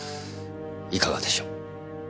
いかがでしょう？